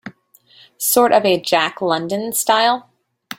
Sort of a Jack London style?